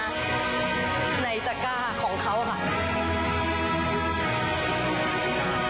ของท่านได้เสด็จเข้ามาอยู่ในความทรงจำของคน๖๗๐ล้านคนค่ะทุกท่าน